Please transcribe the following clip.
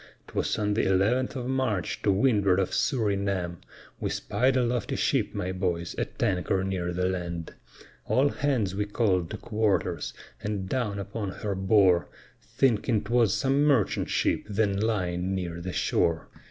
'Twas on the 11th of March, to windward of Surinam, We spied a lofty ship, my boys, at anchor near the land; All hands we call'd to quarters, and down upon her bore, Thinking 'twas some merchant ship then lying near the shore.